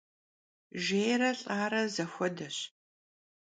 Jjêyre lh'are zexuedeş.